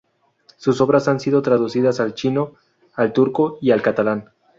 Sus obras han sido traducidas al chino, al turco y al catalán.